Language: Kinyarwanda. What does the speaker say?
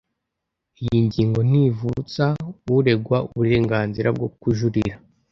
iyi ngingo ntivutsa uregwa uburenganzira bwo kujurira